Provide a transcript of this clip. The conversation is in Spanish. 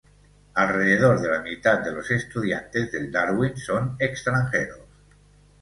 Alrededor de la mitad de los estudiantes del Darwin son extranjeros.